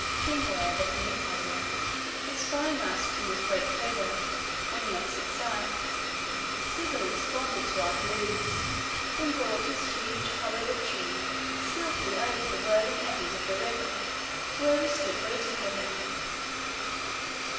Kingwere, the canoe paddler, espying us from his brake covert, on the opposite side, civilly responded to our halloos, and brought his huge hollowed tree skilfully over the whirling eddies of the river to where we stood waiting for him.